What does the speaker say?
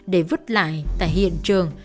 để vứt lại tại hiện trường